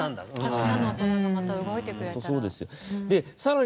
たくさんの大人がまた動いてくれたら。